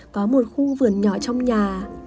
có một khu vườn nhỏ trong nhà